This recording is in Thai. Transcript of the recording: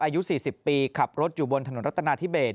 อายุ๔๐ปีขับรถอยู่บนถนนรัฐนาธิเบส